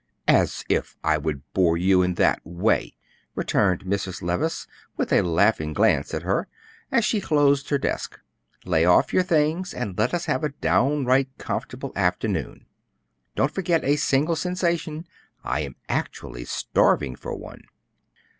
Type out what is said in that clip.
"As if I would bore you in that way!" returned Mrs. Levice, with a laughing glance at her, as she closed her desk. "Lay off your things, and let us have a downright comfortable afternoon. Don't forget a single sensation; I am actually starving for one."